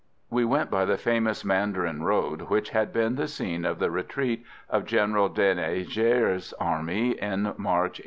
We went by the famous mandarin road which had been the scene of the retreat of General de Négriers army in March, 1885.